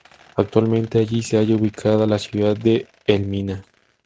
Actualmente allí se halla ubicada la ciudad de Elmina.